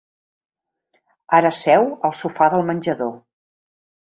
Ara seu al sofà del menjador.